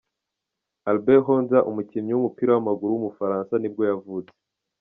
Albin Hodza, umukinnyi w’umupira w’amaguru w’umufaransa ni bwo yavutse.